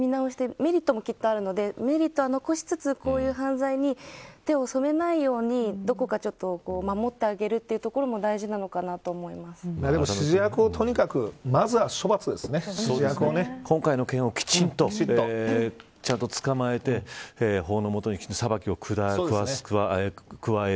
メリットも、きっとあるのでメリットは残しつつ、こういう犯罪に手を染めないようにどこか守ってあげるというところもでも指示役を今回の件をきちんとちゃんと捕まえて法の下できちんと裁きを加える。